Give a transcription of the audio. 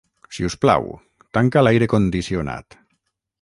Si us plau, tanca l'aire condicionat.